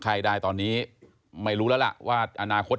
เผื่อเขายังไม่ได้งาน